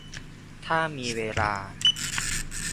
ถ้ามีเวลา